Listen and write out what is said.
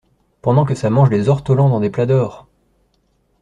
Pendant que ça mange des ortolans dans des plats d'or!